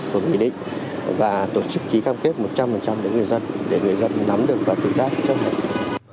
công an huyện đức đã chỉ đạo quyết định công tác tiên truyền sâu rộng toàn thể dung quy định và tổ chức ký cam kết một trăm linh để người dân nắm được và tự giác trong hệ thống